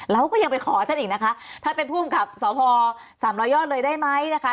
เราก็ยังไปขอท่านอีกนะคะท่านเป็นผู้อำกับสพสามร้อยยอดเลยได้ไหมนะคะ